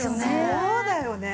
そうだよね。